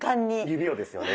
指をですよね？